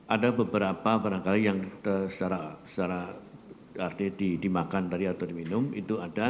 ada beberapa barangkali yang secara arti dimakan tadi atau diminum itu ada